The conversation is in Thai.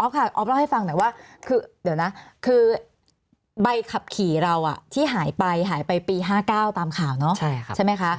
ออฟเล่าให้ฟังหน่อยว่าคือเดี๋ยวนะคือใบขับขี่เราที่หายไปหายไปปี๕๙ตามข่าวเนาะใช่ไหมคะ